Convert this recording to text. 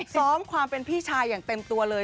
ซ้อมความเป็นพี่ชายอย่างเต็มตัวเลย